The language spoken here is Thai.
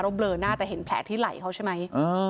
เบลอหน้าแต่เห็นแผลที่ไหล่เขาใช่ไหม